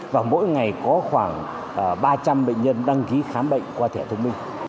và mỗi ngày có khoảng ba trăm linh bệnh nhân đăng ký khám bệnh qua thẻ thông minh